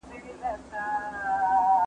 د هغې ونې تر سیوري لاندي کښېنسهمېشه خوند کوي.